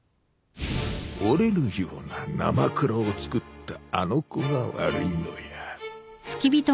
折れるようななまくらを作ったあの子が悪いのや。